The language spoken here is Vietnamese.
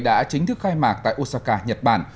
thượng đỉnh g hai mươi đã chính thức khai mạc tại osaka nhật bản